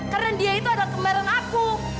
karena dia itu adalah kemarin aku